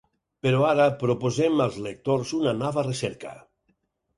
Però ara proposem als lectors una nova recerca.